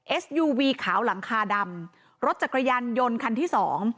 สยูวีขาวหลังคาดำรถจักรยานยนต์คันที่สอง